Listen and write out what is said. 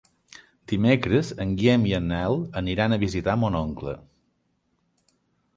Dimecres en Guillem i en Nel aniran a visitar mon oncle.